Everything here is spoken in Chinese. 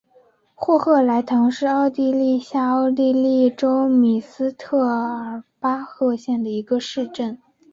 霍赫莱滕是奥地利下奥地利州米斯特尔巴赫县的一个市镇。